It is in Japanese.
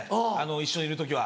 一緒にいる時は。